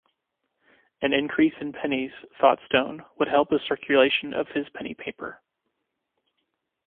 An increase in pennies, thought Stone, would help the circulation of his penny paper.